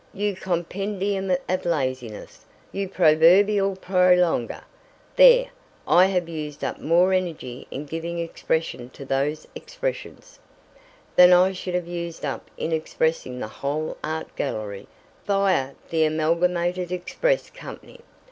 "You compendium of laziness! You proverbial prolonger! There, I have used up more energy in giving expression to those expressions " "Than I should have used up in expressing the whole art gallery via the Amalgamated Express Company.